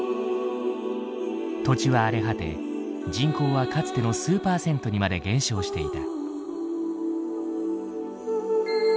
土地は荒れ果て人口はかつての数パーセントにまで減少していた。